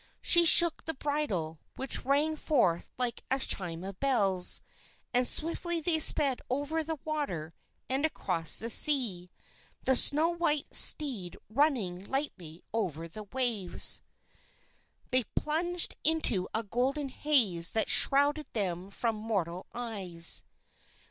She shook the bridle which rang forth like a chime of bells, and swiftly they sped over the water and across the sea, the snow white steed running lightly over the waves. They plunged into a golden haze that shrouded them from mortal eyes.